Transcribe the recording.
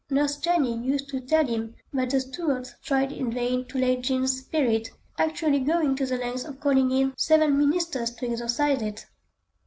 Nurse Jenny used to tell him that the Stuarts tried in vain to lay Jean's spirit, actually going to the length of calling in seven ministers to exorcise it.